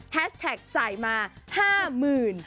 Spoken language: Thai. แฮชแท็กจ่ายมา๕หมื่น